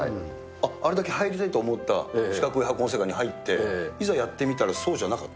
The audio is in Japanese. あれだけ入りたいと思った、四角い箱の世界に入って、いざやってみたらそうじゃなかった？